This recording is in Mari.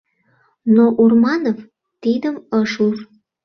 Но Урманов тидым ыш уж.